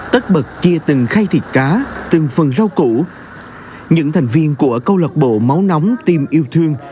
tất bật chia từng khay thịt cá từng phần rau củ những thành viên của câu lạc bộ máu nóng tim yêu thương